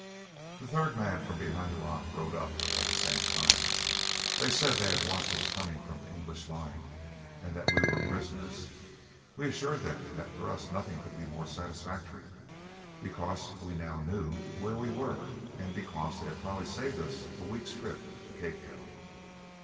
The third man from behind the rock rode up at the same time. They said they had watched us coming from the English lines, and that we were prisoners. We assured them that for us nothing could be more satisfactory, because we now knew where we were, and because they had probably saved us a week's trip to Cape Town.